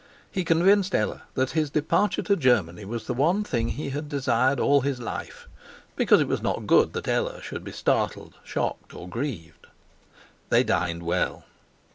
He convinced Ella that his departure to Germany was the one thing he had desired all his life, because it was not good that Ella should be startled, shocked, or grieved. They dined well.